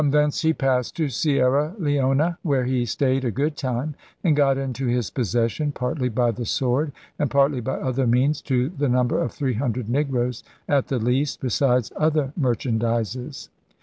"I HAWKINS AND THE FIGHTING TRADERS 75 thence he passed to Sierra Leona, where he stayed a good time, and got into his possession, partly by the sword and partly by other means, to the number of 300 Negroes at the least, besides other merchandises.